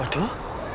duk di kino